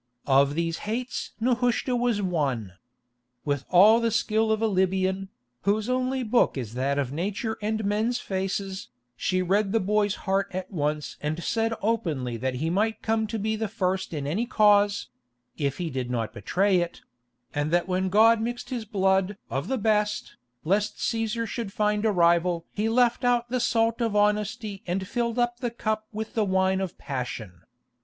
Of these hates Nehushta was one. With all the skill of a Libyan, whose only book is that of Nature and men's faces, she read the boy's heart at once and said openly that he might come to be the first in any cause—if he did not betray it—and that when God mixed his blood of the best, lest Cæsar should find a rival He left out the salt of honesty and filled up the cup with the wine of passion.